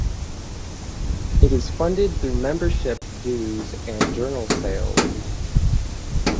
It is funded through membership dues and journal sale.